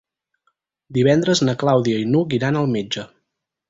Divendres na Clàudia i n'Hug iran al metge.